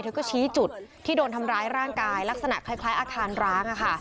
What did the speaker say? ก็ชี้จุดที่โดนทำร้ายร่างกายลักษณะคล้ายอาคารร้าง